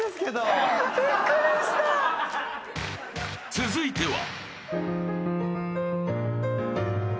［続いては］